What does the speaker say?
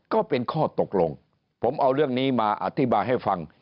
ก็เป็นข้อตกลงผมเอาเรื่องนี้มาอธิบายให้ฟัง